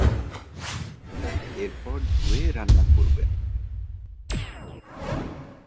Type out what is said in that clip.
এরপর ধুয়ে রান্না করবেন।